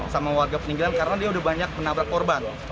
sama warga peninggalan karena dia udah banyak menabrak korban